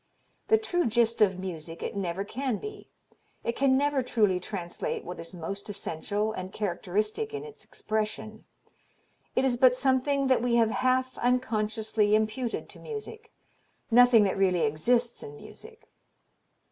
The true gist of music it never can be; it can never truly translate what is most essential and characteristic in its expression. It is but something that we have half unconsciously imputed to music; nothing that really exists in music."